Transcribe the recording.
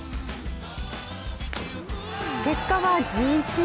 結果は１１位。